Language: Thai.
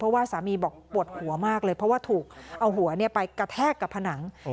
เพราะว่าสามีบอกปวดหัวมากเลยเพราะว่าถูกเอาหัวไปกระแทกกับผนัง